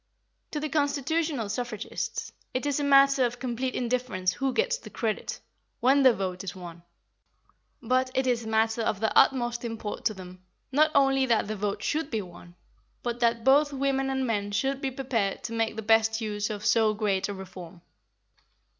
To the constitutional suffragists, it is a matter of complete indifference who gets the credit, when the vote is won; but it is a matter of the utmost import to them, not only that the vote should be won, but that both women and men should be prepared to make the best use of so great a reform.